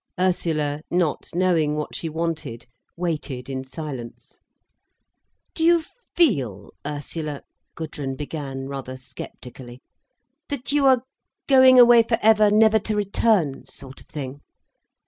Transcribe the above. Ursula, not knowing what she wanted, waited in silence. "Do you feel, Ursula," Gudrun began, rather sceptically, that you are going away for ever, never to return, sort of thing?"